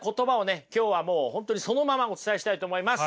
今日はもう本当にそのままお伝えしたいと思います！